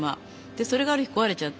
それがある日こわれちゃった。